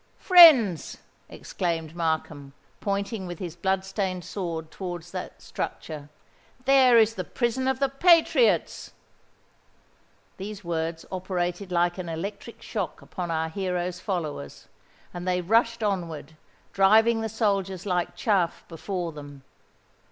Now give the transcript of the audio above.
"Friends," exclaimed Markham, pointing with his blood stained sword towards that structure, "there is the prison of the patriots!" These words operated like an electric shock upon our hero's followers; and they rushed onward, driving the soldiers like chaff before them.